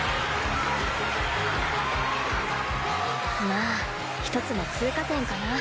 まあ一つの通過点かな。